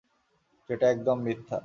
যেটা একদম মিথ্যা।